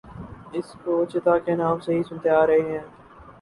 اس کو چیتا کے نام سے ہی سنتے آرہے ہیں